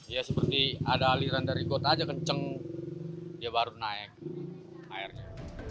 ya seperti ada aliran dari got aja kenceng dia baru naik airnya